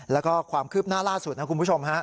แล้วก็ความคืบหน้าล่าสุดนะคุณผู้ชมฮะ